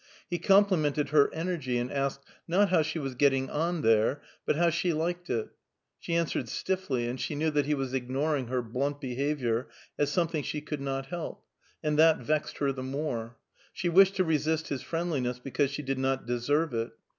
He complimented her energy, and asked, not how she was getting on there, but how she liked it; she answered stiffly, and she knew that he was ignoring her blunt behavior as something she could not help, and that vexed her the more; she wished to resist his friendliness because she did not deserve it.